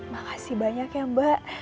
makasih banyak ya mbak